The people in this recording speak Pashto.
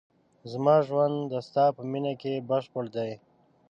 زما ژوند د ستا په مینه کې بشپړ دی.